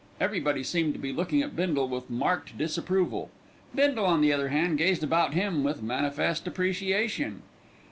Everybody seemed to be looking at Bindle with marked disapproval. Bindle, on the other hand, gazed about him with manifest appreciation.